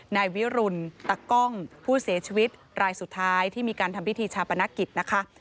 นายวิรุณตะกล้องผู้เสียชีวิตรายสุดท้ายที่มีการทำพิธีชาปนกิจนะคะ